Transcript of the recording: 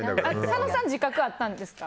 佐野さん自覚あったんですか？